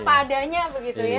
apa adanya begitu ya